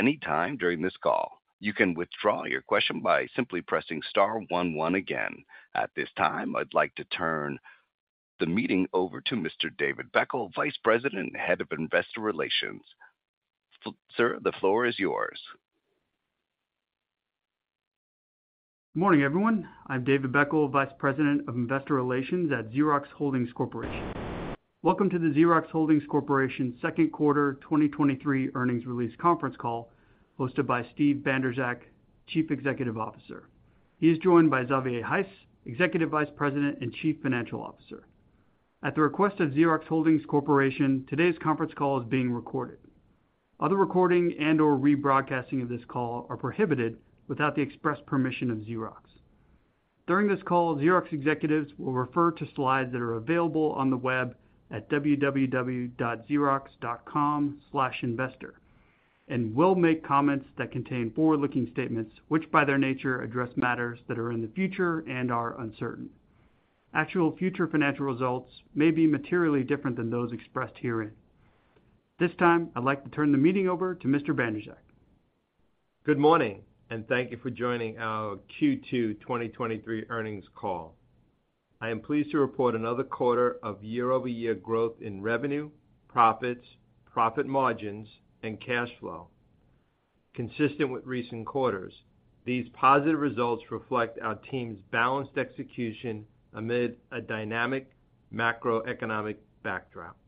At any time during this call, you can withdraw your question by simply pressing star one one again. At this time, I'd like to turn the meeting over to Mr. David Beckel, Vice President, Head of Investor Relations. Sir, the floor is yours. Good morning, everyone. I'm David Beckel, Vice President of Investor Relations at Xerox Holdings Corporation. Welcome to the Xerox Holdings Corporation Second Quarter 2023 earnings release conference call, hosted by Steve Bandrowczak, Chief Executive Officer. He is joined by Xavier Heiss, Executive Vice President and Chief Financial Officer. At the request of Xerox Holdings Corporation, today's conference call is being recorded. Other recording and/or rebroadcasting of this call are prohibited without the express permission of Xerox. During this call, Xerox executives will refer to slides that are available on the web at www.xerox.com/investor, and will make comments that contain forward-looking statements, which, by their nature, address matters that are in the future and are uncertain. Actual future financial results may be materially different than those expressed herein. This time, I'd like to turn the meeting over to Mr. Bandrowczak. Good morning, thank you for joining our Q2 2023 earnings call. I am pleased to report another quarter of year-over-year growth in revenue, profits, profit margins, and cash flow. Consistent with recent quarters, these positive results reflect our team's balanced execution amid a dynamic macroeconomic backdrop.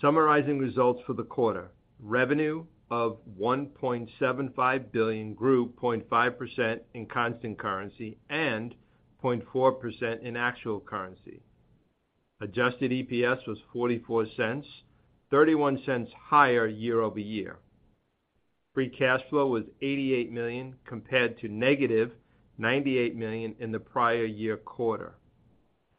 Summarizing results for the quarter, revenue of $1.75 billion grew 0.5% in constant currency and 0.4% in actual currency. Adjusted EPS was $0.44, $0.31 higher year-over-year. Free cash flow was $88 million, compared to negative $98 million in the prior year quarter.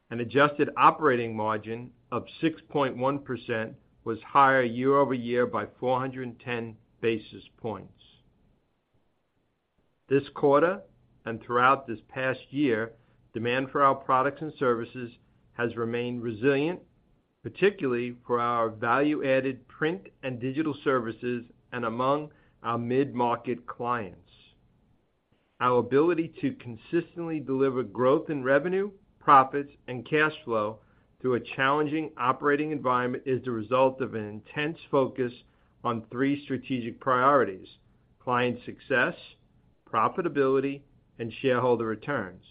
An adjusted operating margin of 6.1% was higher year-over-year by 410 basis points. This quarter, and throughout this past year, demand for our products and services has remained resilient, particularly for our value-added print and digital services and among our mid-market clients. Our ability to consistently deliver growth in revenue, profits, and cash flow through a challenging operating environment is the result of an intense focus on three strategic priorities: client success, profitability, and shareholder returns.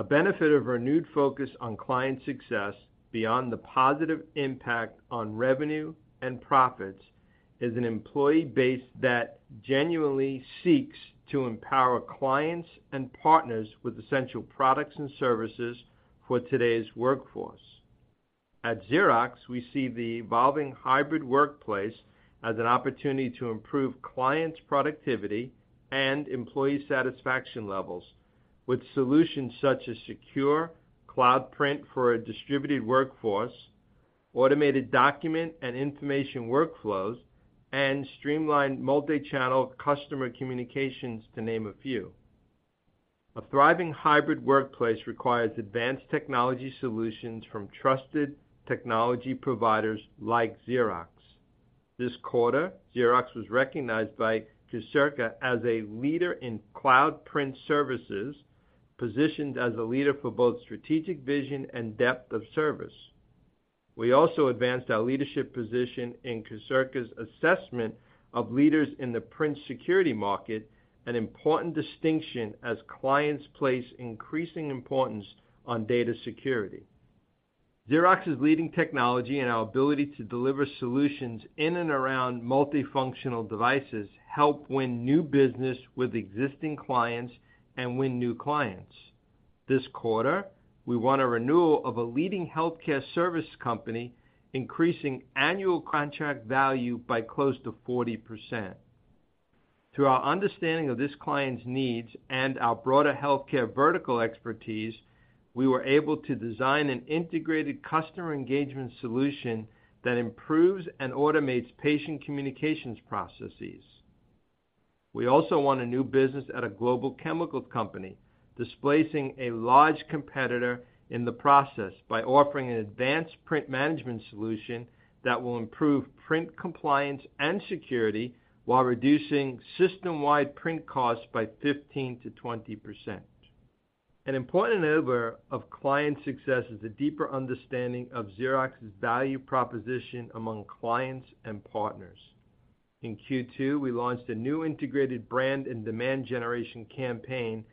A benefit of renewed focus on client success, beyond the positive impact on revenue and profits, is an employee base that genuinely seeks to empower clients and partners with essential products and services for today's workforce. At Xerox, we see the evolving hybrid workplace as an opportunity to improve clients' productivity and employee satisfaction levels with solutions such as secure cloud print for a distributed workforce, automated document and information workflows, and streamlined multi-channel customer communications, to name a few. A thriving hybrid workplace requires advanced technology solutions from trusted technology providers like Xerox. This quarter, Xerox was recognized by Quocirca as a leader in cloud print services, positioned as a leader for both strategic vision and depth of service. We also advanced our leadership position in Quocirca's assessment of leaders in the print security market, an important distinction as clients place increasing importance on data security. Xerox's leading technology and our ability to deliver solutions in and around multifunctional devices help win new business with existing clients and win new clients. This quarter, we won a renewal of a leading healthcare service company, increasing annual contract value by close to 40%. Through our understanding of this client's needs and our broader healthcare vertical expertise, we were able to design an integrated customer engagement solution that improves and automates patient communications processes. We also won a new business at a global chemical company, displacing a large competitor in the process by offering an advanced print management solution that will improve print compliance and security while reducing system-wide print costs by 15%-20%. An important enabler of client success is a deeper understanding of Xerox's value proposition among clients and partners. In Q2, we launched a new integrated brand and demand generation campaign,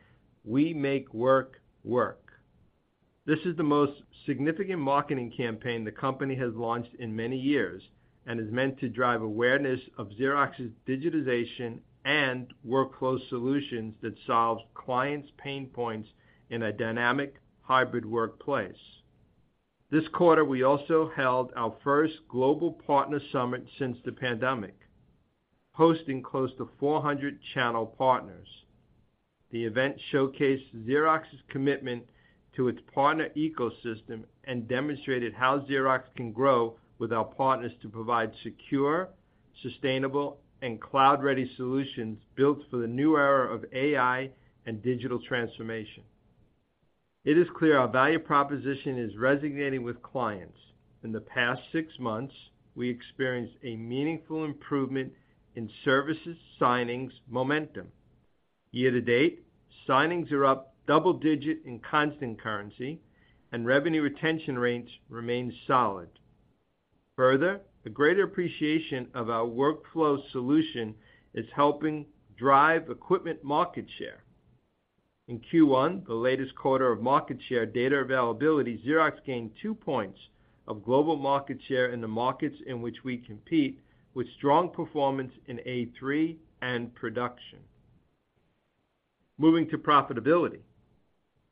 We Make Work Work. This is the most significant marketing campaign the company has launched in many years and is meant to drive awareness of Xerox's digitization and workflow solutions that solves clients' pain points in a dynamic, hybrid workplace. This quarter, we also held our first global partner summit since the pandemic, hosting close to 400 channel partners. The event showcased Xerox's commitment to its partner ecosystem and demonstrated how Xerox can grow with our partners to provide secure, sustainable, and cloud-ready solutions built for the new era of AI and digital transformation. It is clear our value proposition is resonating with clients. In the past 6 months, we experienced a meaningful improvement in services signings momentum. Year to date, signings are up double-digit in constant currency, and revenue retention rates remain solid. Further, the greater appreciation of our workflow solution is helping drive equipment market share. In Q1, the latest quarter of market share data availability, Xerox gained two points of global market share in the markets in which we compete, with strong performance in A3 and production. Moving to profitability.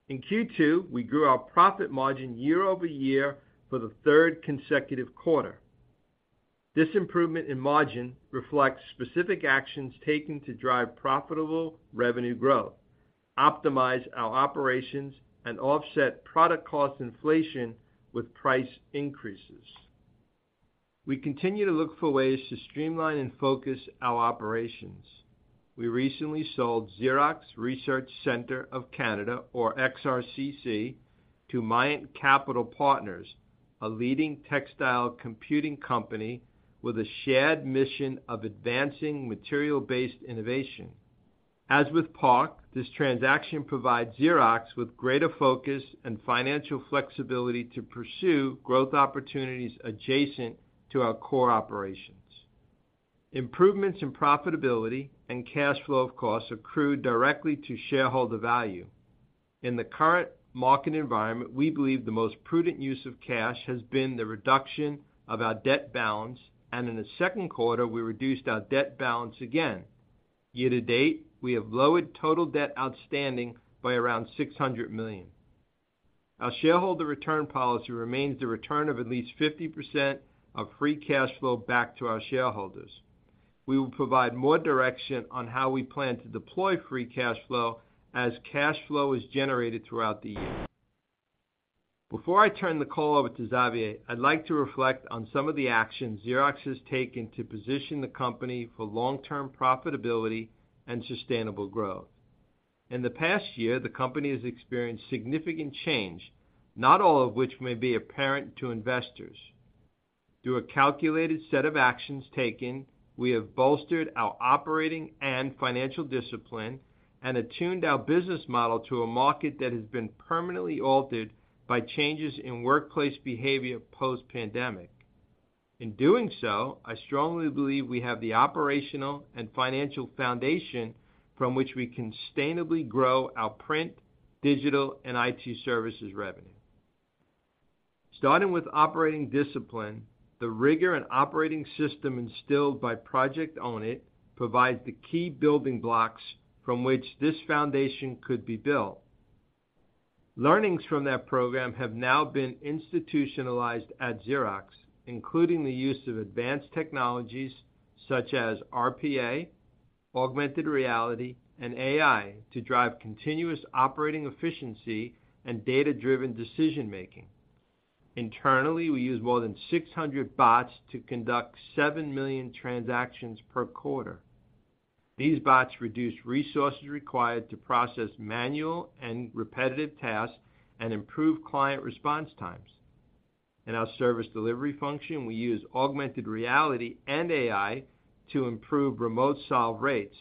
In Q2, we grew our profit margin year-over-year for the third consecutive quarter. This improvement in margin reflects specific actions taken to drive profitable revenue growth, optimize our operations, and offset product cost inflation with price increases. We continue to look for ways to streamline and focus our operations. We recently sold Xerox Research Center of Canada, or XRCC, to Myant Capital Partners, a leading textile computing company with a shared mission of advancing material-based innovation. As with PARC, this transaction provides Xerox with greater focus and financial flexibility to pursue growth opportunities adjacent to our core operations. Improvements in profitability and cash flow, of course, accrue directly to shareholder value. In the current market environment, we believe the most prudent use of cash has been the reduction of our debt balance, and in the second quarter, we reduced our debt balance again. Year to date, we have lowered total debt outstanding by around $600 million. Our shareholder return policy remains the return of at least 50% of free cash flow back to our shareholders. We will provide more direction on how we plan to deploy free cash flow as cash flow is generated throughout the year. Before I turn the call over to Xavier, I'd like to reflect on some of the actions Xerox has taken to position the company for long-term profitability and sustainable growth. In the past year, the company has experienced significant change, not all of which may be apparent to investors. Through a calculated set of actions taken, we have bolstered our operating and financial discipline and attuned our business model to a market that has been permanently altered by changes in workplace behavior post-pandemic. In doing so, I strongly believe we have the operational and financial foundation from which we can sustainably grow our print, digital, and IT services revenue. Starting with operating discipline, the rigor and operating system instilled by Project Own It provides the key building blocks from which this foundation could be built. Learnings from that program have now been institutionalized at Xerox, including the use of advanced technologies such as RPA, augmented reality, and AI to drive continuous operating efficiency and data-driven decision-making. Internally, we use more than 600 bots to conduct 7 million transactions per quarter. These bots reduce resources required to process manual and repetitive tasks and improve client response times. In our service delivery function, we use augmented reality and AI to improve remote solve rates,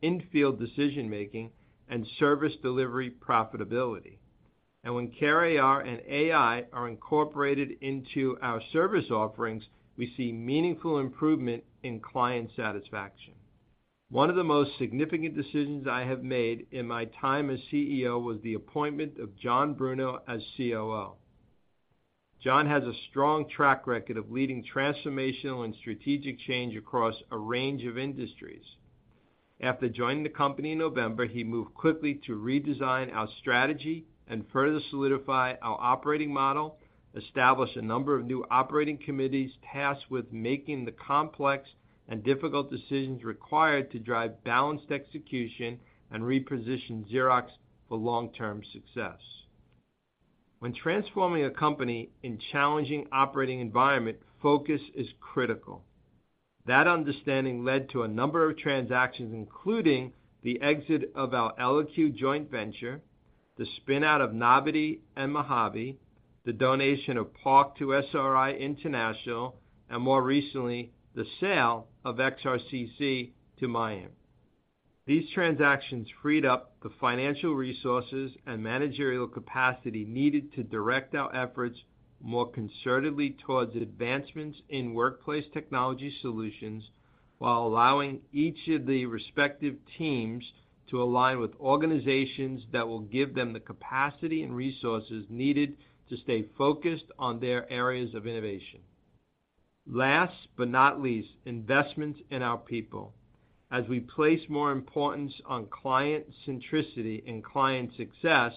in-field decision-making, and service delivery profitability. When CareAR and AI are incorporated into our service offerings, we see meaningful improvement in client satisfaction. One of the most significant decisions I have made in my time as CEO was the appointment of John Bruno as COO. John has a strong track record of leading transformational and strategic change across a range of industries. After joining the company in November, he moved quickly to redesign our strategy and further solidify our operating model, establish a number of new operating committees tasked with making the complex and difficult decisions required to drive balanced execution, and reposition Xerox for long-term success. When transforming a company in challenging operating environment, focus is critical. That understanding led to a number of transactions, including the exit of our Eloque joint venture, the spin-out of Novity and Mojave, the donation of PARC to SRI International, and more recently, the sale of XRCC to Myant. These transactions freed up the financial resources and managerial capacity needed to direct our efforts more concertedly towards advancements in workplace technology solutions, while allowing each of the respective teams to align with organizations that will give them the capacity and resources needed to stay focused on their areas of innovation. Last but not least, investments in our people. As we place more importance on client centricity and client success,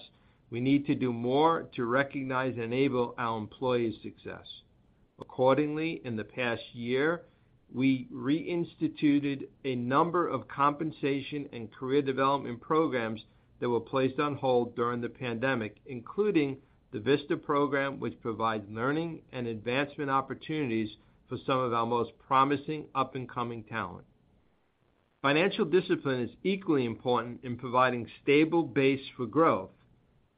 we need to do more to recognize and enable our employees' success. Accordingly, in the past year, we reinstituted a number of compensation and career development programs that were placed on hold during the pandemic, including the Vista program, which provides learning and advancement opportunities for some of our most promising up-and-coming talent. Financial discipline is equally important in providing stable base for growth.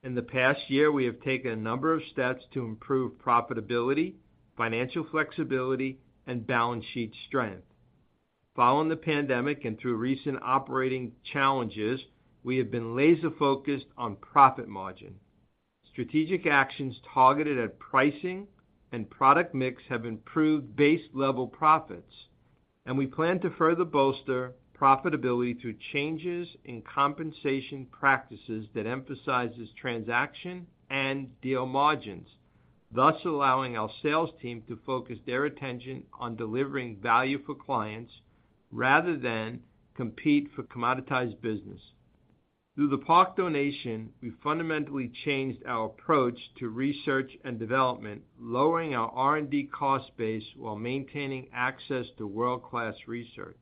In the past year, we have taken a number of steps to improve profitability, financial flexibility, and balance sheet strength. Following the pandemic and through recent operating challenges, we have been laser focused on profit margin. Strategic actions targeted at pricing and product mix have improved base level profits, and we plan to further bolster profitability through changes in compensation practices that emphasizes transaction and deal margins, thus allowing our sales team to focus their attention on delivering value for clients rather than compete for commoditized business. Through the PARC donation, we fundamentally changed our approach to R&D, lowering our R&D cost base while maintaining access to world-class research.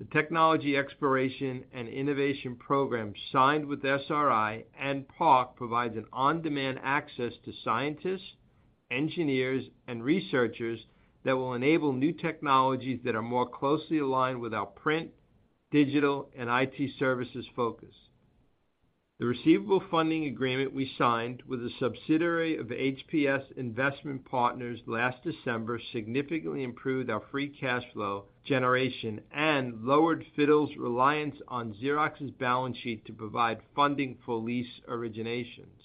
The technology exploration and innovation program signed with SRI and PARC provides an on-demand access to scientists, engineers, and researchers that will enable new technologies that are more closely aligned with our print, digital, and IT services focus. The receivable funding agreement we signed with a subsidiary of HPS Investment Partners last December, significantly improved our free cash flow generation and lowered FITTLE's reliance on Xerox's balance sheet to provide funding for lease originations.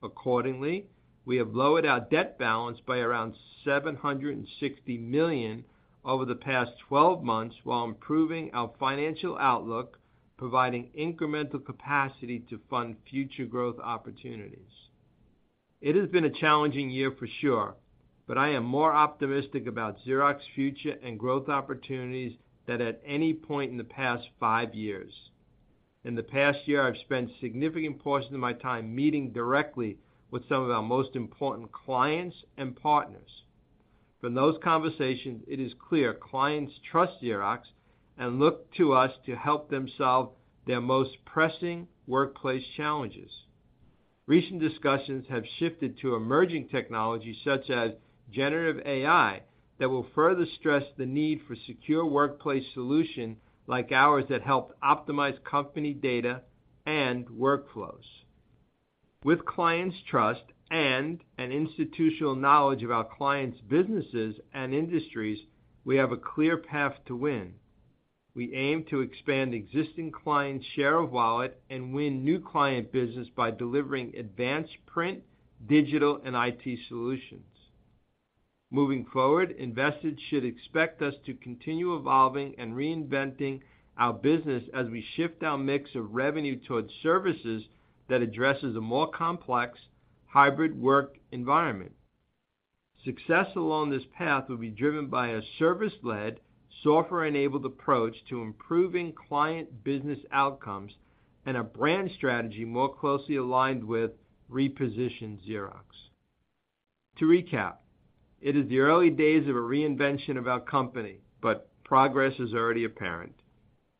Accordingly, we have lowered our debt balance by around $760 million over the past 12 months while improving our financial outlook, providing incremental capacity to fund future growth opportunities. It has been a challenging year for sure. I am more optimistic about Xerox's future and growth opportunities than at any point in the past five years. In the past year, I've spent a significant portion of my time meeting directly with some of our most important clients and partners. From those conversations, it is clear clients trust Xerox and look to us to help them solve their most pressing workplace challenges. Recent discussions have shifted to emerging technologies such as generative AI that will further stress the need for secure workplace solution like ours that help optimize company data and workflows. With clients' trust and an institutional knowledge of our clients' businesses and industries, we have a clear path to win. We aim to expand existing client share of wallet and win new client business by delivering advanced print, digital, and IT solutions. Moving forward, investors should expect us to continue evolving and reinventing our business as we shift our mix of revenue towards services that addresses a more complex hybrid work environment. Success along this path will be driven by a service-led, software-enabled approach to improving client business outcomes and a brand strategy more closely aligned with repositioned Xerox. To recap, it is the early days of a reinvention of our company. Progress is already apparent.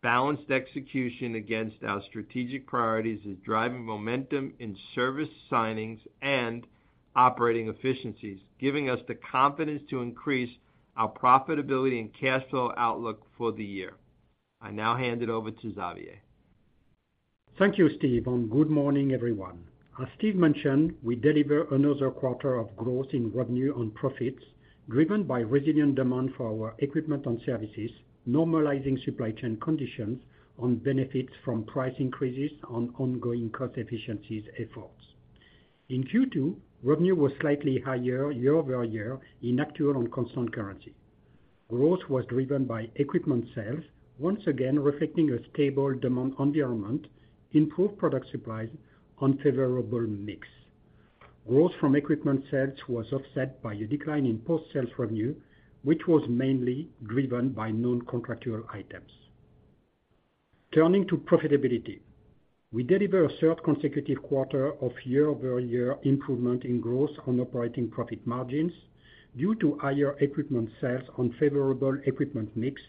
Balanced execution against our strategic priorities is driving momentum in service signings and operating efficiencies, giving us the confidence to increase our profitability and cash flow outlook for the year. I now hand it over to Xavier. Thank you, Steve, good morning, everyone. As Steve mentioned, we deliver another quarter of growth in revenue and profits, driven by resilient demand for our equipment and services, normalizing supply chain conditions, and benefits from price increases on ongoing cost efficiencies efforts. In Q2, revenue was slightly higher year-over-year in actual and constant currency. Growth was driven by equipment sales, once again, reflecting a stable demand environment, improved product supply, and favorable mix. Growth from equipment sales was offset by a decline in post-sales revenue, which was mainly driven by non-contractual items. Turning to profitability, we deliver a third consecutive quarter of year-over-year improvement in growth on operating profit margins due to higher equipment sales on favorable equipment mix,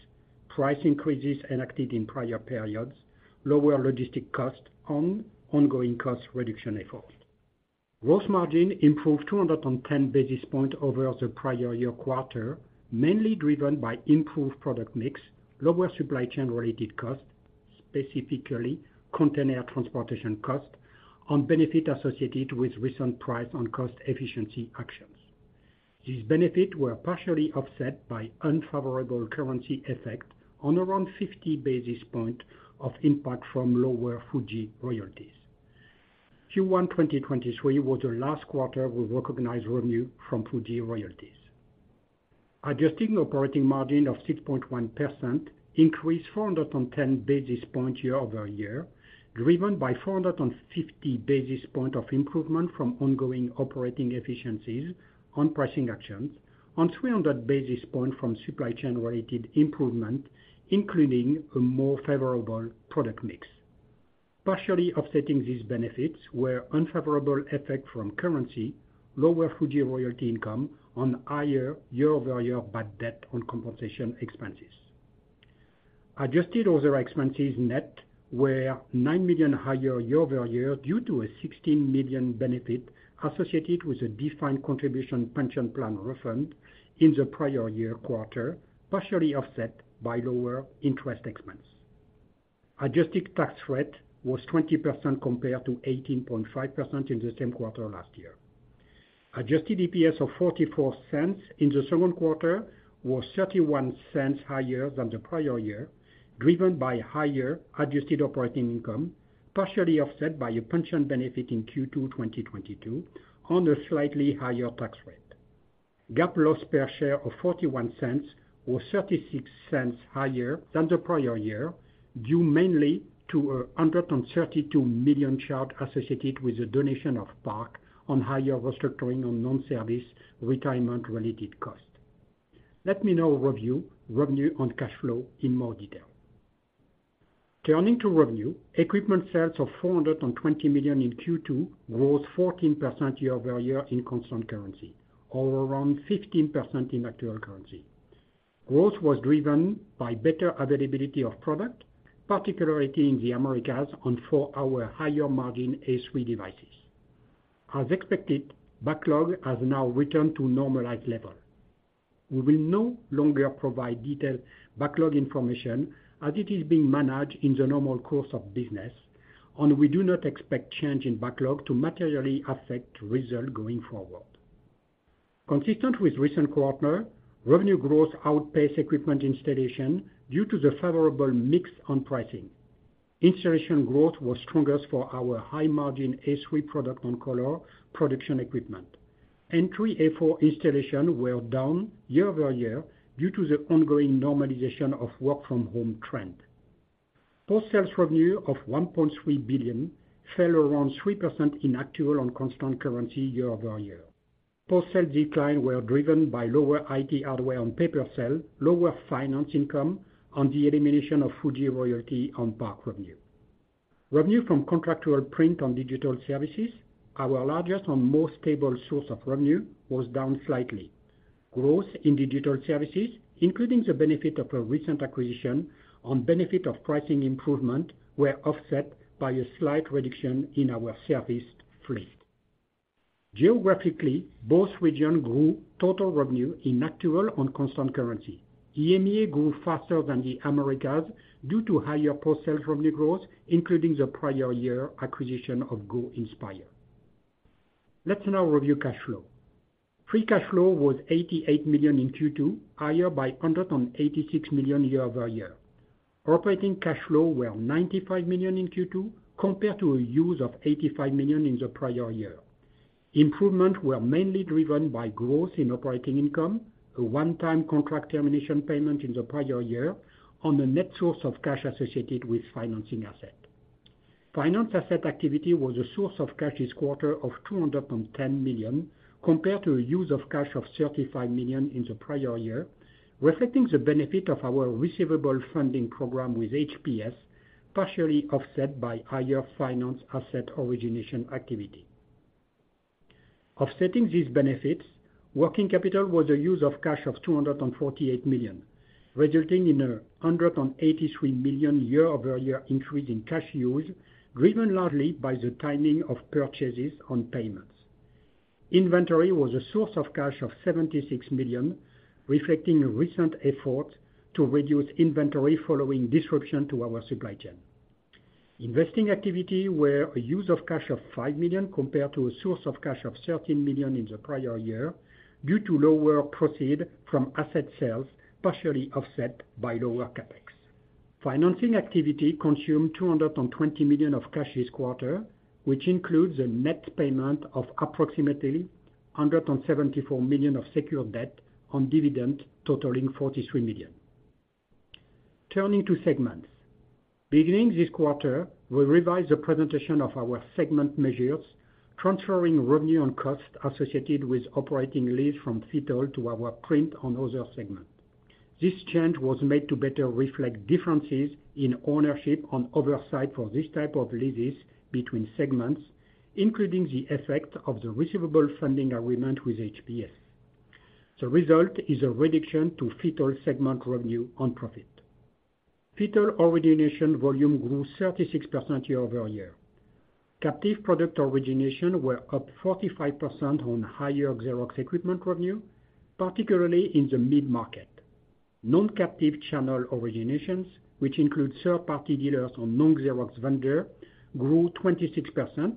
price increases enacted in prior periods, lower logistic costs, and ongoing cost reduction efforts. Gross margin improved 210 basis points over the prior year quarter, mainly driven by improved product mix, lower supply chain-related costs, specifically container transportation costs, and benefit associated with recent price and cost efficiency actions. These benefits were partially offset by unfavorable currency effect on around 50 basis point of impact from lower Fuji royalties. Q1 2023 was the last quarter we recognized revenue from Fuji royalties. Adjusting operating margin of 6.1% increased 410 basis points year-over-year, driven by 450 basis points of improvement from ongoing operating efficiencies on pricing actions, and 300 basis points from supply chain-related improvement, including a more favorable product mix. Partially offsetting these benefits were unfavorable effect from currency, lower Fuji royalty income, and higher year-over-year bad debt on compensation expenses. Adjusted other expenses net were $9 million higher year-over-year, due to a $16 million benefit associated with a defined contribution pension plan refund in the prior year quarter, partially offset by lower interest expense. adjusted tax rate was 20% compared to 18.5% in the same quarter last year. Adjusted EPS of $0.44 in the second quarter was $0.31 higher than the prior year, driven by higher adjusted operating income, partially offset by a pension benefit in Q2 2022, on a slightly higher tax rate. GAAP loss per share of $0.41 was $0.36 higher than the prior year, due mainly to a $132 million charge associated with the donation of PARC on higher restructuring on non-service retirement-related costs. Let me now review revenue and cash flow in more detail. Turning to revenue, equipment sales of $420 million in Q2 grew 14% year-over-year in constant currency, or around 15% in actual currency. Growth was driven by better availability of product, particularly in the Americas, and for our higher margin A3 devices. As expected, backlog has now returned to normalized level. We will no longer provide detailed backlog information as it is being managed in the normal course of business, and we do not expect change in backlog to materially affect result going forward. Consistent with recent quarter, revenue growth outpaced equipment installation due to the favorable mix on pricing. Installation growth was strongest for our high-margin A3 product and color production equipment. N3 A4 installation were down year-over-year due to the ongoing normalization of work-from-home trend. Post sales revenue of $1.3 billion fell around 3% in actual and constant currency year-over-year. Post-sale decline were driven by lower IT hardware on paper sale, lower finance income, and the elimination of Fuji royalty on PARC revenue. Revenue from contractual print on digital services, our largest and most stable source of revenue, was down slightly. Growth in digital services, including the benefit of a recent acquisition on benefit of pricing improvement, were offset by a slight reduction in our service fleet. Geographically, both regions grew total revenue in actual and constant currency. EMEA grew faster than the Americas due to higher post-sale revenue growth, including the prior year acquisition of Go Inspire. Let's now review cash flow. Free cash flow was $88 million in Q2, higher by $186 million year-over-year. Operating cash flow were $95 million in Q2, compared to a use of $85 million in the prior year. Improvement were mainly driven by growth in operating income, a one-time contract termination payment in the prior year, and a net source of cash associated with financing asset. Finance asset activity was a source of cash this quarter of $210 million, compared to a use of cash of $35 million in the prior year, reflecting the benefit of our receivable funding program with HPS, partially offset by higher finance asset origination activity. Offsetting these benefits, working capital was a use of cash of $248 million, resulting in a $183 million year-over-year increase in cash use, driven largely by the timing of purchases and payments. Inventory was a source of cash of $76 million, reflecting a recent effort to reduce inventory following disruption to our supply chain. Investing activity were a use of cash of $5 million, compared to a source of cash of $13 million in the prior year, due to lower proceed from asset sales, partially offset by lower CapEx. Financing activity consumed $220 million of cash this quarter, which includes a net payment of approximately $174 million of secured debt on dividend, totaling $43 million. Turning to segments. Beginning this quarter, we revised the presentation of our segment measures, transferring revenue and costs associated with operating leads from FITTLE to our Print and other segment. This change was made to better reflect differences in ownership and oversight for this type of leases between segments, including the effect of the receivable funding agreement with HPS. The result is a reduction to FITTLE segment revenue on profit. FITTLE origination volume grew 36% year-over-year. Captive product origination were up 45% on higher Xerox equipment revenue, particularly in the mid-market. Non-captive channel originations, which include third-party dealers on non-Xerox vendor, grew 26%,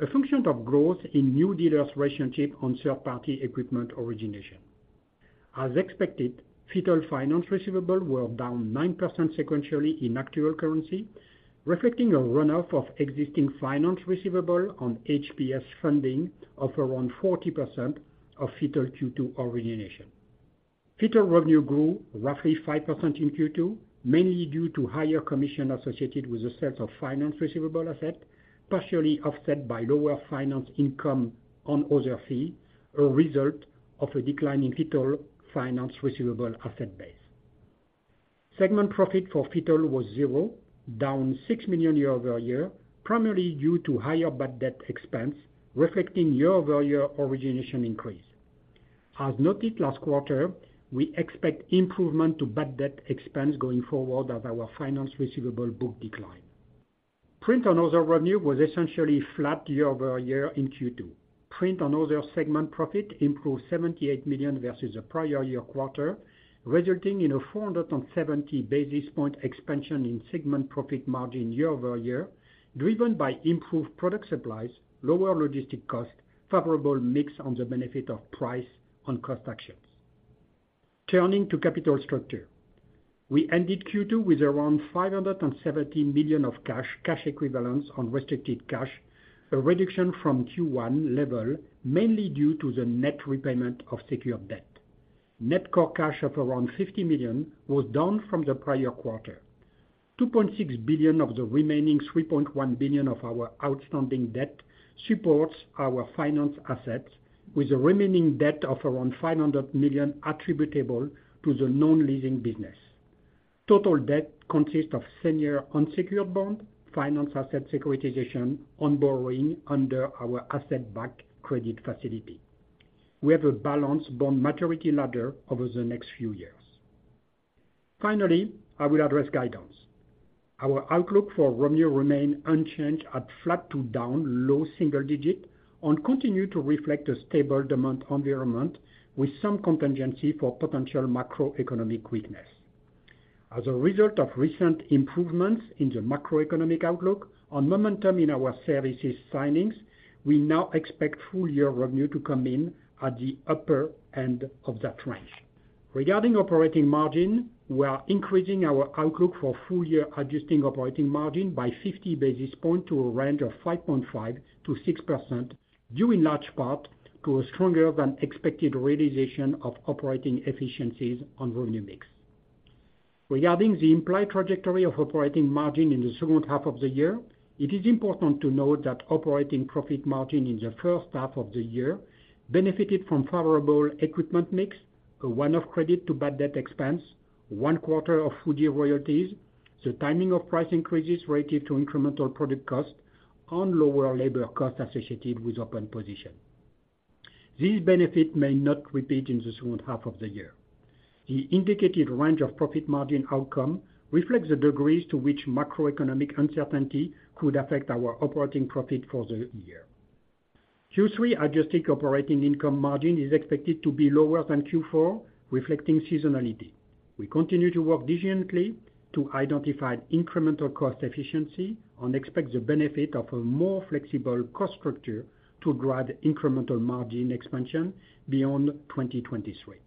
a function of growth in new dealers' relationship on third-party equipment origination. As expected, FITTLE finance receivable were down 9% sequentially in actual currency, reflecting a run-off of existing finance receivable on HPS funding of around 40% of FITTLE Q2 origination. FITTLE revenue grew roughly 5% in Q2, mainly due to higher commission associated with the sales of finance receivable asset, partially offset by lower finance income on other fee, a result of a decline in FITTLE finance receivable asset base. Segment profit for FITTLE was zero, down $6 million year-over-year, primarily due to higher bad debt expense, reflecting year-over-year origination increase. As noted last quarter, we expect improvement to bad debt expense going forward as our finance receivable book decline. Print on other revenue was essentially flat year-over-year in Q2. Print on other segment profit improved $78 million versus the prior year quarter, resulting in a 470 basis point expansion in segment profit margin year-over-year, driven by improved product supplies, lower logistic costs, favorable mix on the benefit of price on cost actions. Turning to capital structure. We ended Q2 with around $570 million of cash equivalents, and restricted cash, a reduction from Q1 level, mainly due to the net repayment of secured debt. Net core cash of around $50 million was down from the prior quarter. $2.6 billion of the remaining $3.1 billion of our outstanding debt supports our finance assets, with a remaining debt of around $500 million attributable to the non-leasing business. Total debt consists of senior unsecured bond, finance asset securitization on borrowing under our asset-backed credit facility. We have a balanced bond maturity ladder over the next few years. Finally, I will address guidance. Our outlook for revenue remain unchanged at flat to down low single digit, and continue to reflect a stable demand environment with some contingency for potential macroeconomic weakness. As a result of recent improvements in the macroeconomic outlook on momentum in our services signings, we now expect full-year revenue to come in at the upper end of that range. Regarding operating margin, we are increasing our outlook for full-year adjusting operating margin by 50 basis points to a range of 5.5%-6%, due in large part to a stronger than expected realization of operating efficiencies on revenue mix. Regarding the implied trajectory of operating margin in the second half of the year, it is important to note that operating profit margin in the first half of the year benefited from favorable equipment mix, a one-off credit to bad debt expense, one quarter of Fuji royalties, the timing of price increases related to incremental product costs, and lower labor costs associated with open position. These benefits may not repeat in the second half of the year. The indicated range of profit margin outcome reflects the degrees to which macroeconomic uncertainty could affect our operating profit for the year. Q3 adjusted operating income margin is expected to be lower than Q4, reflecting seasonality. We continue to work diligently to identify incremental cost efficiency and expect the benefit of a more flexible cost structure to drive incremental margin expansion beyond 2023.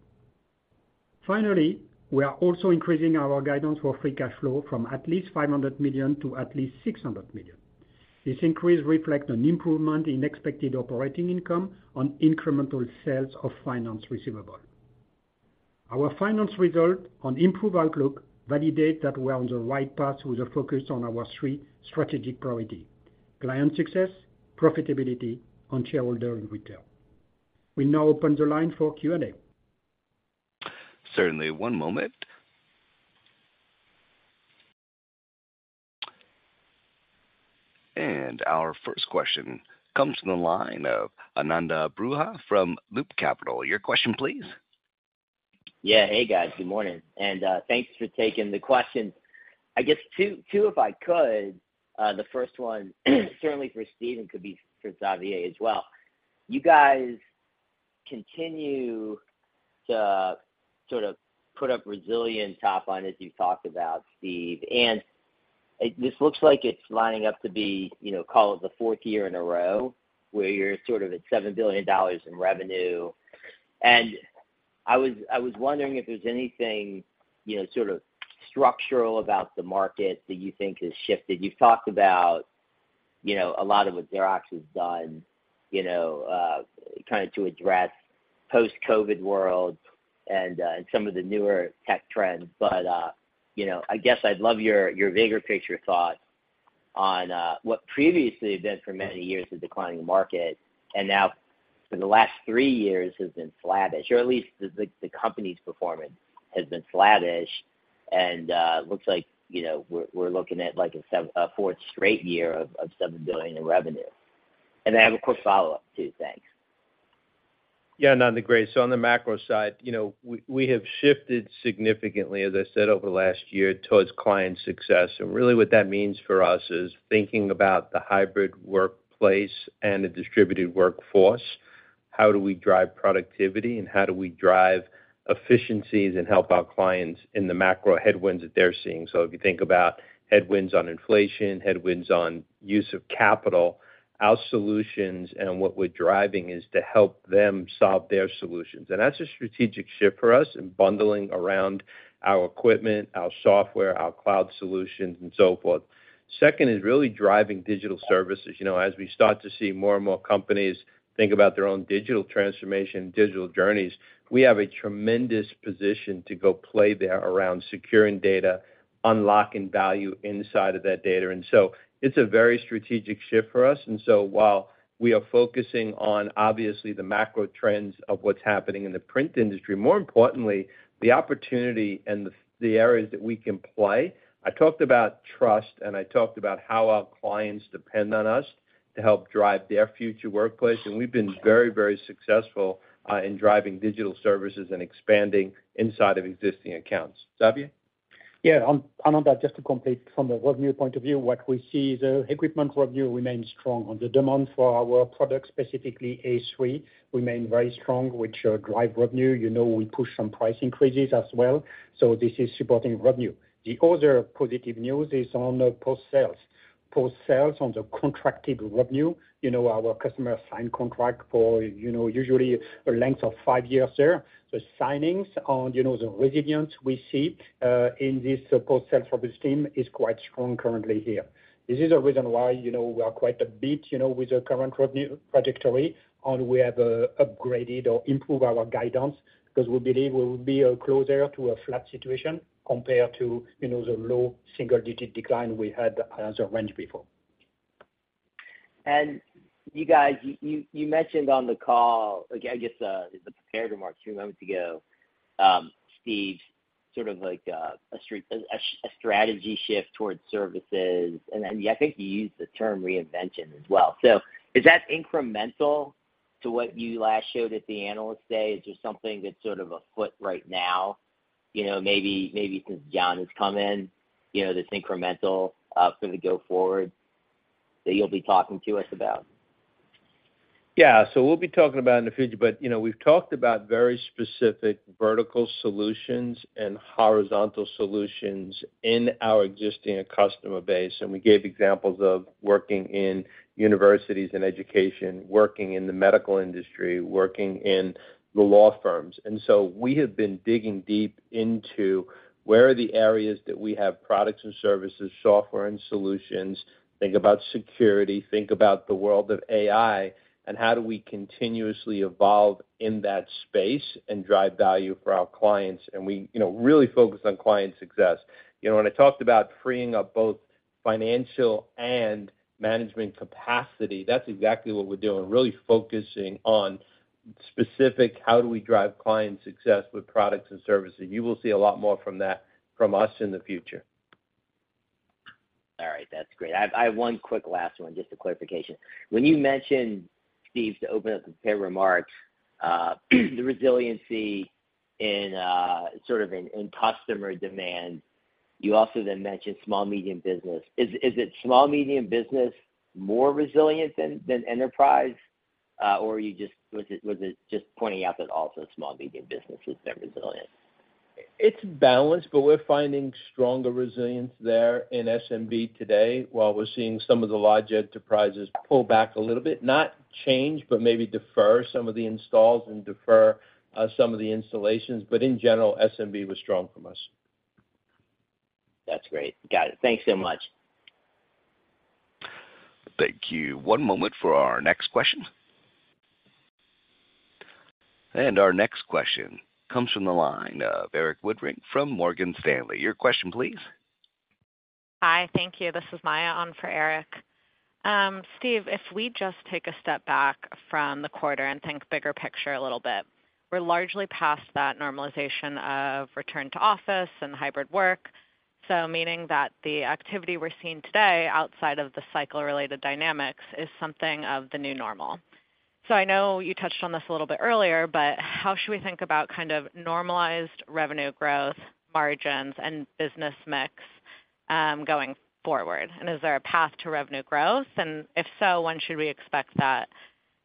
We are also increasing our guidance for free cash flow from at least $500 million to at least $600 million. This increase reflects an improvement in expected operating income on incremental sales of finance receivable. Our finance result on improved outlook validate that we are on the right path with a focus on our three strategic priority: client success, profitability, and shareholder return. We now open the line for Q&A. Certainly, one moment. Our first question comes from the line of Ananda Baruah from Loop Capital Markets. Your question, please. Yeah. Hey, guys. Good morning, and thanks for taking the question. I guess two, if I could. The first one, certainly for Steve and could be for Xavier as well. You guys continue to sort of put up resilient top line, as you talked about, Steve, and this looks like it's lining up to be, you know, call it the 4th year in a row, where you're sort of at $7 billion in revenue. I was wondering if there's anything, you know, sort of structural about the market that you think has shifted. You've talked about, you know, a lot of what Xerox has done, you know, kind of to address post-COVID world and some of the newer tech trends. You know, I guess I'd love your bigger picture thoughts on what previously had been for many years, a declining market, and now for the last three years has been flattish, or at least the company's performance has been flattish. It looks like, you know, we're looking at like a fourth straight year of $7 billion in revenue. I have a quick follow-up, too. Thanks. Yeah, Ananda, great. On the macro side, you know, we have shifted significantly, as I said, over the last year, towards client success. Really what that means for us is thinking about the hybrid workplace and the distributed workforce. How do we drive productivity, and how do we drive efficiencies and help our clients in the macro headwinds that they're seeing? If you think about headwinds on inflation, headwinds on use of capital, our solutions and what we're driving is to help them solve their solutions. That's a strategic shift for us in bundling around our equipment, our software, our cloud solutions, and so forth. Second is really driving digital services. You know, as we start to see more and more companies think about their own digital transformation and digital journeys, we have a tremendous position to go play there around securing data, unlocking value inside of that data. It's a very strategic shift for us. While we are focusing on, obviously, the macro trends of what's happening in the print industry, more importantly, the opportunity and the areas that we can play. I talked about trust, and I talked about how our clients depend on us to help drive their future workplace, we've been very successful, in driving digital services and expanding inside of existing accounts. Xavier? Yeah, on that, just to complete from the revenue point of view, what we see is the equipment revenue remains strong, and the demand for our products, specifically A3, remain very strong, which drive revenue. You know, we push some price increases as well, so this is supporting revenue. The other positive news is on the post-sales. Post-sales on the contracted revenue, you know, our customers sign contract for, you know, usually a length of five years there. The signings on, you know, the resilience we see in this post-sales for this team is quite strong currently here. This is the reason why, you know, we are quite a bit, you know, with the current revenue trajectory, and we have upgraded or improved our guidance, 'cause we believe we will be closer to a flat situation compared to, you know, the low single-digit decline we had as a range before. You guys, you mentioned on the call, again, I guess, the prepared remarks a few moments ago, Steve, sort of like, a strategy shift towards services, and I think you used the term reinvention as well. Is that incremental to what you last showed at the analyst day? Is this something that's sort of afoot right now, you know, maybe since John has come in, you know, this incremental, for the go forward that you'll be talking to us about? We'll be talking about in the future, but, you know, we've talked about very specific vertical solutions and horizontal solutions in our existing customer base, and we gave examples of working in universities and education, working in the medical industry, working in the law firms. We have been digging deep into where are the areas that we have products and services, software and solutions, think about security, think about the world of AI, and how do we continuously evolve in that space and drive value for our clients? We, you know, really focus on client success. You know, when I talked about freeing up both financial and management capacity, that's exactly what we're doing, really focusing on specific, how do we drive client success with products and services? You will see a lot more from that from us in the future. All right. That's great. I have one quick last one, just a clarification. When you mentioned, Steve, to open up the prepared remarks, the resiliency in sort of in customer demand, you also then mentioned small, medium business. Is it small, medium business more resilient than enterprise, or was it just pointing out that also small, medium businesses, they're resilient? It's balanced. We're finding stronger resilience there in SMB today, while we're seeing some of the large enterprises pull back a little bit. Not change. Maybe defer some of the installs and defer some of the installations. In general, SMB was strong from us. That's great. Got it. Thanks so much. Thank you. One moment for our next question. Our next question comes from the line of Erik Woodring from Morgan Stanley. Your question, please. Hi, thank you. This is Maya on for Erik. Steve, if we just take a step back from the quarter and think bigger picture a little bit, we're largely past that normalization of return to office and hybrid work, so meaning that the activity we're seeing today, outside of the cycle-related dynamics, is something of the new normal. I know you touched on this a little bit earlier, but how should we think about kind of normalized revenue growth, margins, and business mix going forward? Is there a path to revenue growth, and if so, when should we expect that?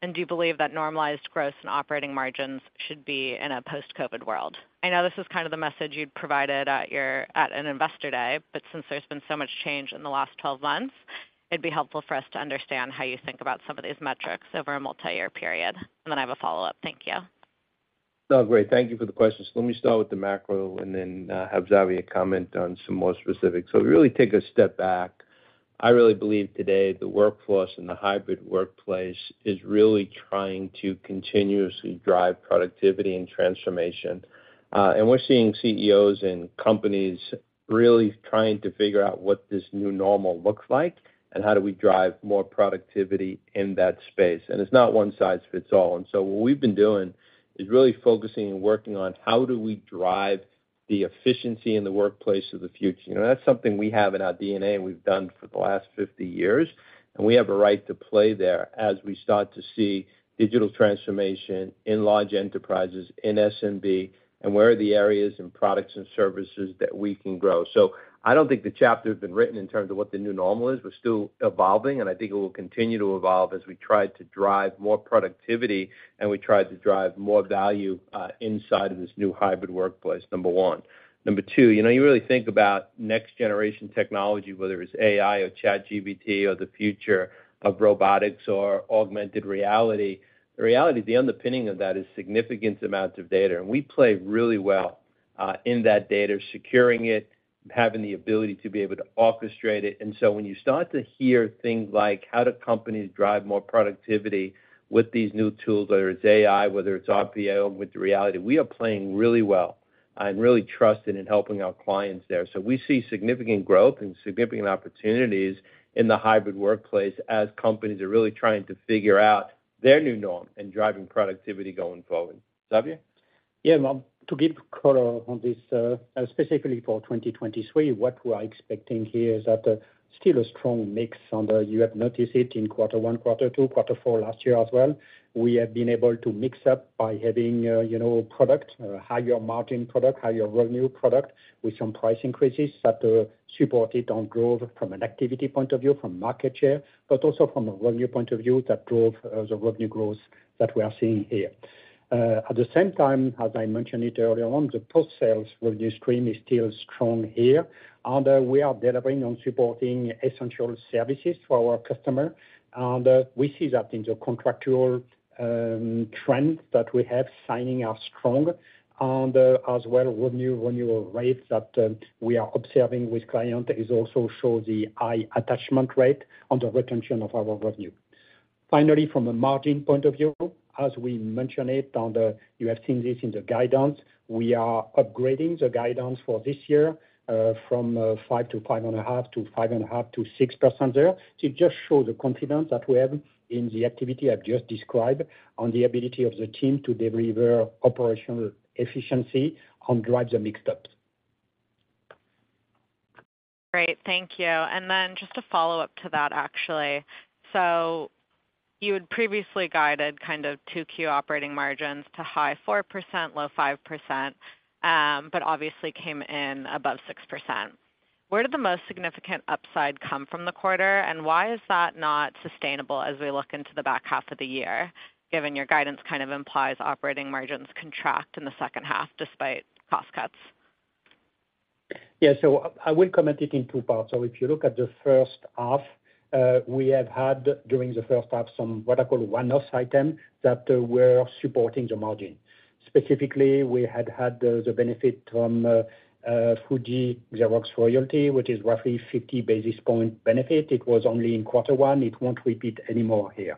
Do you believe that normalized growth and operating margins should be in a post-COVID world? I know this is kind of the message you'd provided at an Investor Day, but since there's been so much change in the last 12 months, it'd be helpful for us to understand how you think about some of these metrics over a multi-year period. I have a follow-up. Thank you. Oh, great, thank you for the question. Let me start with the macro and then, have Xavier comment on some more specifics. If we really take a step back, I really believe today the workforce and the hybrid workplace is really trying to continuously drive productivity and transformation. We're seeing CEOs and companies really trying to figure out what this new normal looks like, and how do we drive more productivity in that space. It's not one size fits all, and so what we've been doing is really focusing and working on how do we drive the efficiency in the workplace of the future? You know, that's something we have in our DNA, and we've done for the last 50 years, and we have a right to play there as we start to see digital transformation in large enterprises, in SMB, and where are the areas and products and services that we can grow? I don't think the chapter has been written in terms of what the new normal is. We're still evolving, and I think it will continue to evolve as we try to drive more productivity, and we try to drive more value inside of this new hybrid workplace, number one. Number two, you know, you really think about next-generation technology, whether it's AI or ChatGPT or the future of robotics or augmented reality. The reality, the underpinning of that is significant amounts of data, and we play really well in that data, securing it, having the ability to be able to orchestrate it. When you start to hear things like, how do companies drive more productivity with these new tools, whether it's AI, whether it's RPA, with the reality, we are playing really well and really trusted in helping our clients there. We see significant growth and significant opportunities in the hybrid workplace as companies are really trying to figure out their new norm and driving productivity going forward. Xavier? Yeah, well, to give color on this, specifically for 2023, what we are expecting here is that still a strong mix, and you have noticed it in Q1, Q2, Q4 last year as well. We have been able to mix up by having, you know, product, higher margin product, higher revenue product, with some price increases that support it on growth from an activity point of view, from market share, but also from a revenue point of view, that drove the revenue growth that we are seeing here. At the same time, as I mentioned it earlier on, the post-sales revenue stream is still strong here, and we are delivering on supporting essential services for our customer. We see that in the contractual trends that we have. Signing are strong. As well, revenue renewal rates that we are observing with client is also show the high attachment rate on the retention of our revenue. Finally, from a margin point of view, as we mentioned it, you have seen this in the guidance, we are upgrading the guidance for this year, from 5%-5.5% to 5.5%-6% there, to just show the confidence that we have in the activity I've just described on the ability of the team to deliver operational efficiency and drive the mixed ups. Great. Thank you. Just a follow up to that, actually. You had previously guided kind of two key operating margins to high 4%, low 5%, but obviously came in above 6%. Where did the most significant upside come from the quarter, and why is that not sustainable as we look into the back half of the year, given your guidance kind of implies operating margins contract in the second half, despite cost cuts? Yeah. I will comment it in two parts. If you look at the first half, we have had, during the first half, some what I call one-off item, that were supporting the margin. Specifically, we had the benefit from Fuji Xerox royalty, which is roughly 50 basis point benefit. It was only in quarter 1, it won't repeat anymore here.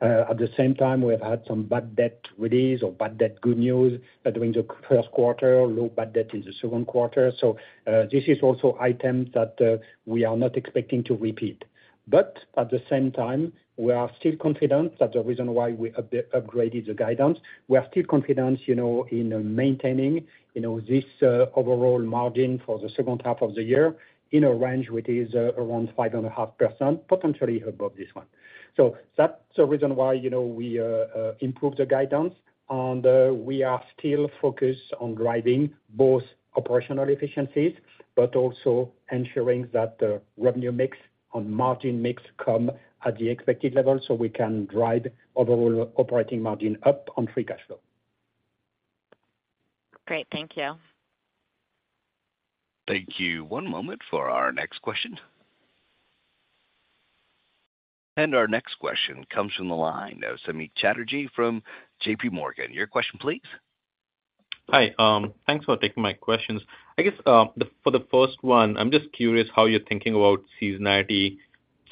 At the same time, we have had some bad debt release or bad debt good news, during the first quarter, low bad debt in the second quarter. This is also item that we are not expecting to repeat. At the same time, we are still confident, that's the reason why we upgraded the guidance. We are still confident, you know, in maintaining, you know, this overall margin for the second half of the year, in a range which is around 5.5%, potentially above this one. That's the reason why, you know, we improved the guidance, and we are still focused on driving both operational efficiencies, but also ensuring that the revenue mix and margin mix come at the expected level, so we can drive overall operating margin up on free cash flow. Great. Thank you. Thank you. One moment for our next question. Our next question comes from the line of Samik Chatterjee from JPMorgan. Your question, please. Hi. Thanks for taking my questions. I guess, for the first one, I'm just curious how you're thinking about seasonality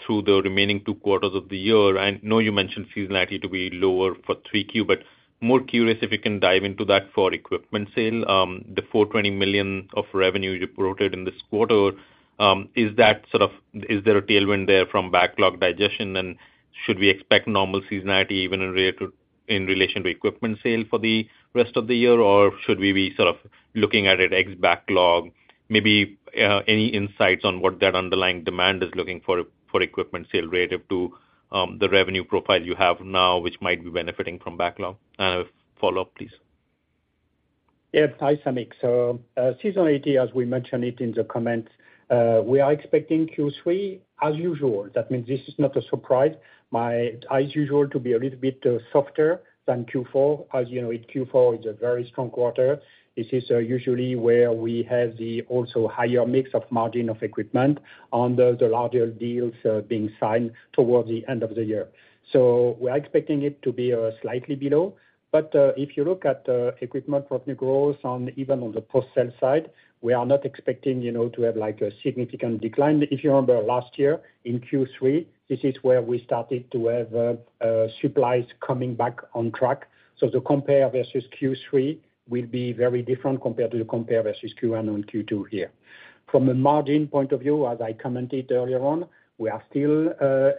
through the remaining two quarters of the year. I know you mentioned seasonality to be lower for 3Q, but more curious if you can dive into that for equipment sale. The $420 million of revenue you reported in this quarter, is that sort of... Is there a tailwind there from backlog digestion? Should we expect normal seasonality even in relation to equipment sale for the rest of the year, or should we be sort of looking at it ex backlog? Maybe, any insights on what that underlying demand is looking for equipment sale relative to the revenue profile you have now, which might be benefiting from backlog? Follow up, please. Yeah. Hi, Samik. Seasonality, as we mentioned it in the comments, we are expecting Q3 as usual. That means this is not a surprise, as usual, to be a little bit softer than Q4. As you know, Q4 is a very strong quarter. This is usually where we have the also higher mix of margin of equipment on the larger deals being signed towards the end of the year. We are expecting it to be slightly below, but if you look at equipment revenue growth even on the post-sale side, we are not expecting, you know, to have, like, a significant decline. If you remember last year, in Q3, this is where we started to have supplies coming back on track. The compare versus Q3 will be very different compared to the compare versus Q1 and Q2 here. From a margin point of view, as I commented earlier on, we are still,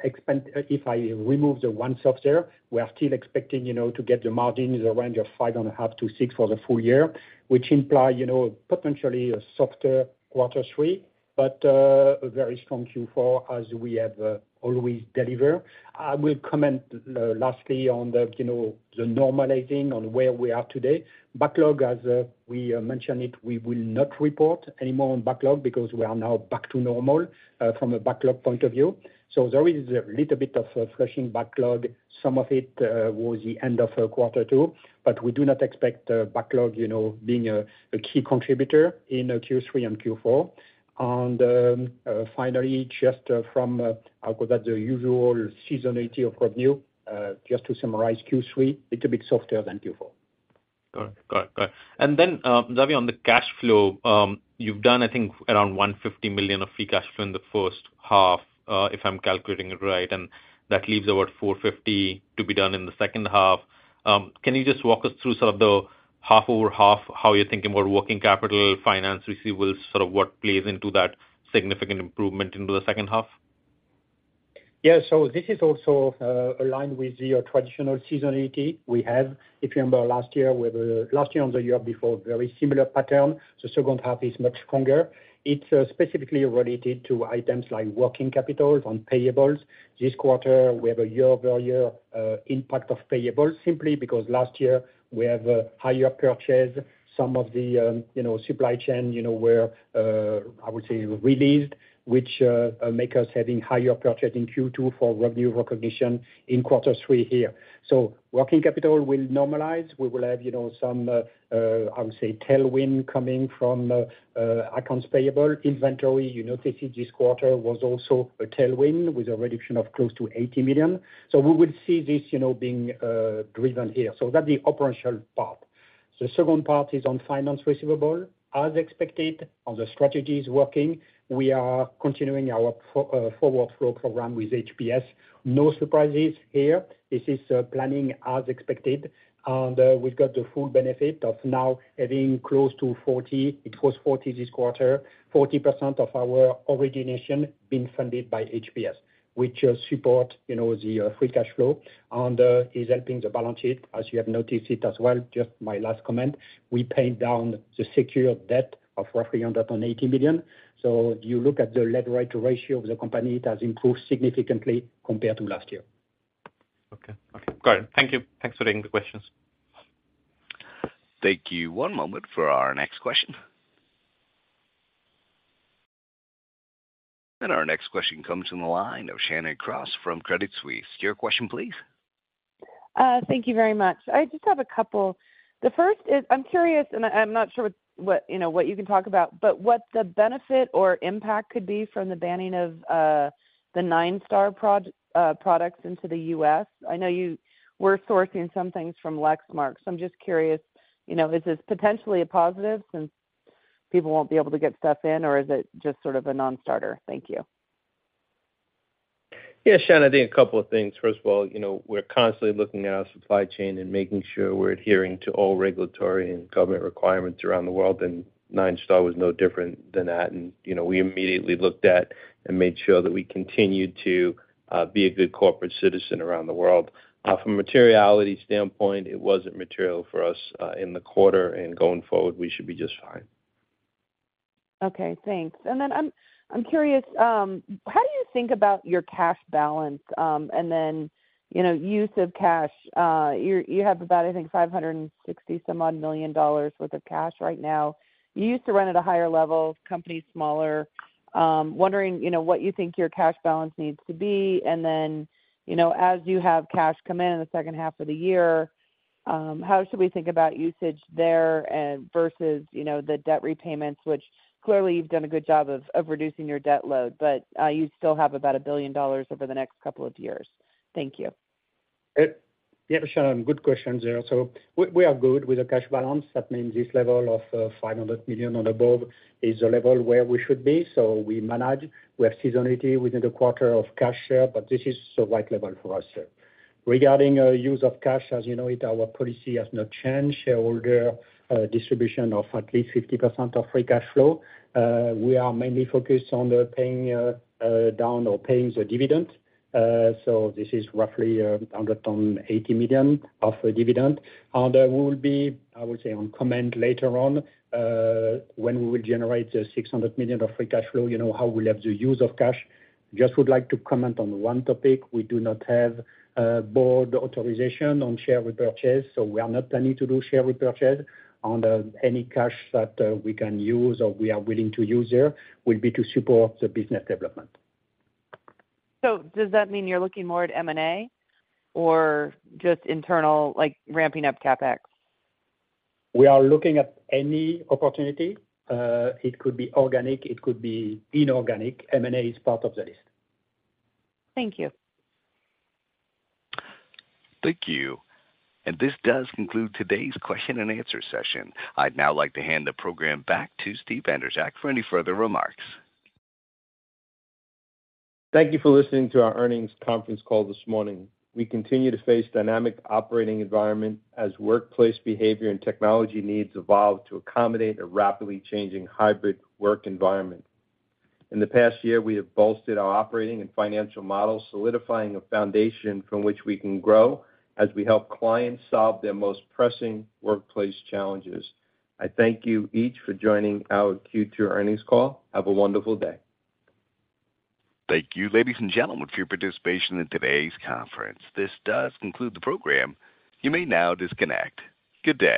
if I remove the one software, we are still expecting, you know, to get the margin in the range of 5.5%-6% for the full year, which imply, you know, potentially a softer Q3, but, a very strong Q4, as we have always deliver. I will comment lastly on the, you know, the normalizing on where we are today. Backlog, as we mentioned it, we will not report any more on backlog because we are now back to normal from a backlog point of view. There is a little bit of flushing backlog. Some of it was the end of quarter 2. We do not expect the backlog, you know, being a key contributor in Q3 and Q4. Finally, just from, I'll call that the usual seasonality of revenue, just to summarize Q3, little bit softer than Q4. Got it. Got it, got it. Xavier, on the cash flow, you've done, I think around $150 million of free cash flow in the first half, if I'm calculating it right, and that leaves about $450 to be done in the second half. Can you just walk us through sort of the half over half, how you're thinking about working capital, finance, receivables, sort of what plays into that significant improvement into the second half? This is also aligned with the traditional seasonality we have. If you remember last year and the year before, very similar pattern. The second half is much stronger. It's specifically related to items like working capital on payables. This quarter, we have a year-over-year impact of payables, simply because last year we have a higher purchase. Some of the, you know, supply chain, you know, were, I would say, released, which make us having higher purchase in Q2 for revenue recognition in quarter three here. Working capital will normalize. We will have, you know, some, I would say, tailwind coming from accounts payable. Inventory, you noticed it, this quarter was also a tailwind with a reduction of close to $80 million. We will see this, you know, being driven here. That's the operational part. The second part is on finance receivable. As expected, on the strategies working, we are continuing our forward flow program with HPS. No surprises here. This is planning as expected, and we've got the full benefit of now having close to 40, it was 40 this quarter, 40% of our origination being funded by HPS, which support, you know, the free cash flow and is helping the balance sheet, as you have noticed it as well. Just my last comment, we paid down the secured debt of roughly $180 million. You look at the leverage ratio of the company, it has improved significantly compared to last year. Okay. Okay, got it. Thank you. Thanks for taking the questions. Thank you. One moment for our next question. Our next question comes from the line of Shannon Cross from Credit Suisse. Your question, please. Thank you very much. I just have a couple. The first is, I'm curious, and I'm not sure what, you know, what you can talk about, but what the benefit or impact could be from the banning of the Ninestar products into the U.S. I know you were sourcing some things from Lexmark, so I'm just curious, you know, is this potentially a positive, since people won't be able to get stuff in, or is it just sort of a non-starter? Thank you. Shannon, I think a couple of things. First of all, you know, we're constantly looking at our supply chain and making sure we're adhering to all regulatory and government requirements around the world. Ninestar was no different than that. You know, we immediately looked at and made sure that we continued to be a good corporate citizen around the world. From a materiality standpoint, it wasn't material for us in the quarter. Going forward, we should be just fine. Okay, thanks. I'm curious, how do you think about your cash balance? You know, use of cash. You have about, I think, $560 some odd million worth of cash right now. You used to run at a higher level, the company's smaller. Wondering, you know, what you think your cash balance needs to be, you know, as you have cash come in in the second half of the year, how should we think about usage there and versus, you know, the debt repayments, which clearly you've done a good job of reducing your debt load, you still have about $1 billion over the next couple of years. Thank you. Yeah, Shannon, good question there. We, we are good with the cash balance. That means this level of $500 million or above is the level where we should be, so we manage. We have seasonality within the quarter of cash share, but this is the right level for us. Regarding our use of cash, as you know it, our policy has not changed. Shareholder distribution of at least 50% of free cash flow. We are mainly focused on the paying down or paying the dividend, so this is roughly $180 million of dividend. We will be, I would say, on comment later on, when we will generate a $600 million of free cash flow, you know, how we'll have the use of cash. Just would like to comment on one topic. We do not have board authorization on share repurchase. We are not planning to do share repurchase on any cash that we can use or we are willing to use there, will be to support the business development. Does that mean you're looking more at M&A or just internal, like ramping up CapEx? We are looking at any opportunity. It could be organic, it could be inorganic. M&A is part of the list. Thank you. Thank you. This does conclude today's question and answer session. I'd now like to hand the program back to Steve Bandrowczak for any further remarks. Thank you for listening to our earnings conference call this morning. We continue to face dynamic operating environment as workplace behavior and technology needs evolve to accommodate a rapidly changing hybrid work environment. In the past year, we have bolstered our operating and financial model, solidifying a foundation from which we can grow, as we help clients solve their most pressing workplace challenges. I thank you each for joining our Q2 earnings call. Have a wonderful day. Thank you, ladies and gentlemen, for your participation in today's conference. This does conclude the program. You may now disconnect. Good day.